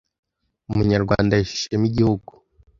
Umunyarwanda ahesha ishema igihugu